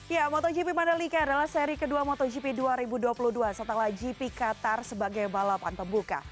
ya motogp mandalika adalah seri kedua motogp dua ribu dua puluh dua setelah gp qatar sebagai balapan pembuka